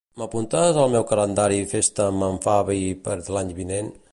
M'apuntes al meu calendari festa amb en Fabi per l'any vinent?